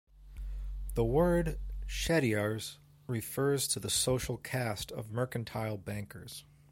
The word "Chettiars" refer to the social caste of mercantile bankers.